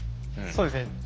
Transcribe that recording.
そうですね。